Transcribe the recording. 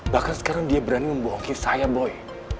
bahkan sekarang dia berani membohoki saya boy